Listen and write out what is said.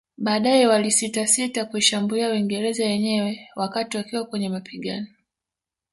Baadae walisitasita kuishambulia Uingereza yenyewe wakati wakiwa kwenye mapigano